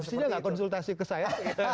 habisnya gak konsultasi ke saya